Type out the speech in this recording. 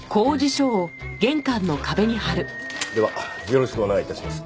ではよろしくお願い致します。